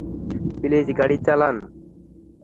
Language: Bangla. প্লিজ গাড়ি চালান।